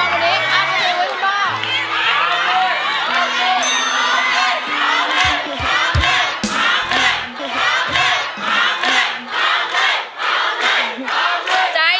คุณภาพก็มากว่านัก